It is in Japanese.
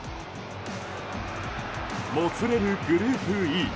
もつれるグループＥ。